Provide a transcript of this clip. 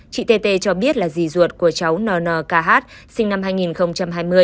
chị tt cho biết là dì ruột của cháu nnkh sinh năm hai nghìn hai mươi